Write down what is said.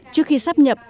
trước khi sắp nhập